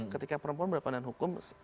ketika perempuan berhadapan hukum